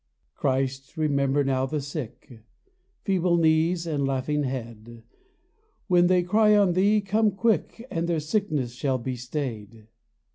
Christ, remember now the sick ; Feeble knees and hanging head. When they cry on Thee, come quick, And their sickness shall be stayed.